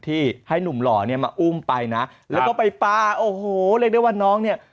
ที่ให้หนุ่มหล่อเนี่ยมาอุ้มไปนะแล้วก็ไปปลาโอ้โหเรียกได้ว่าน้องเนี่ย